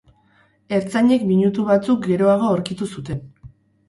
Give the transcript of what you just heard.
Ertzainek minutu batzuk geroago aurkitu zuten.